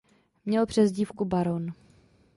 Měl přezdívku "Baron".